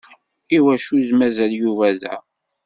Iwacu i d-mazal Yuba da?